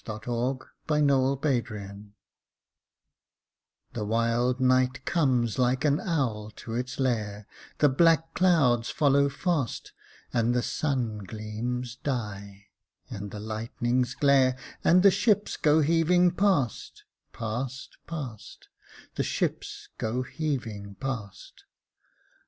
God Help Our Men at Sea The wild night comes like an owl to its lair, The black clouds follow fast, And the sun gleams die, and the lightnings glare, And the ships go heaving past, past, past The ships go heaving past!